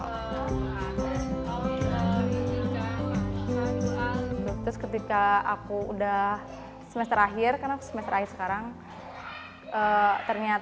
terus ketika aku udah semester akhir karena semester akhir sekarang ternyata